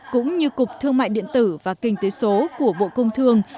cũng như cục thương mại điện tử và kinh tế số của bộ công thương